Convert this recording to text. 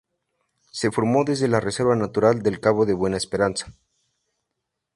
Se formó desde la Reserva Natural del Cabo de Buena Esperanza.